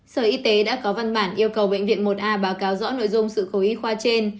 sở y tế đã có văn bản yêu cầu bệnh viện một a báo cáo rõ nội dung sự cố y khoa trên